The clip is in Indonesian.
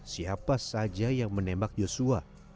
siapa saja yang menembak yosua